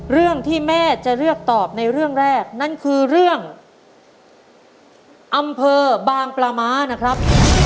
เรื่องที่แม่จะเลือกตอบในเรื่องแรกนั่นคือเรื่องอำเภอบางปลาม้านะครับ